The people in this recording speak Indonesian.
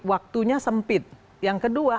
waktunya sempit yang kedua